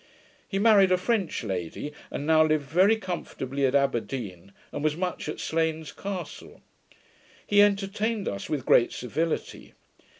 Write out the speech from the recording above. He married a French lady, and now lived very comfortably at Aberdeen, and was much at Slains castle. He entertained us with great civility.